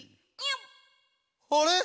「あれ！